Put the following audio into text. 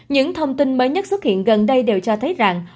những thông tin mới nhất xuất hiện gần đây đều cho thấy rằng